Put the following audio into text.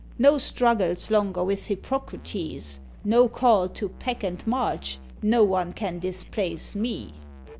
No struggles longer with Hippocrates! No call to pack and march, no one can displace me."